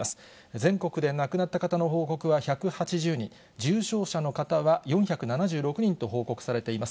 全国で亡くなった方の報告は１８０人、重症者の方は４７６人と報告されています。